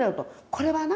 これはな